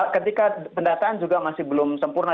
ketika pendataan juga masih belum sempurna